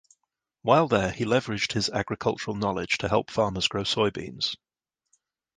While there he leveraged his agricultural knowledge to help farmers grow soybeans.